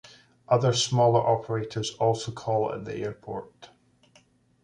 Other smaller operators also call at the airport.